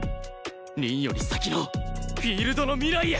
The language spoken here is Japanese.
凛より先のフィールドの未来へ！